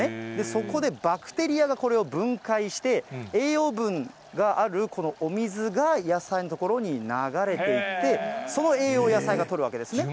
そこでバクテリアがこれを分解して、栄養分がある、このお水が野菜の所に流れていって、その栄養を野菜がとるわけですね。